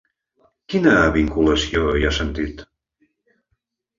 Quina vinculació hi ha sentit?